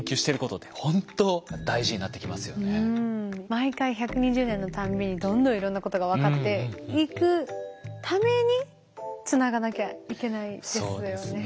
毎回１２０年の度にどんどんいろんなことが分かっていくためにつながなきゃいけないですよね。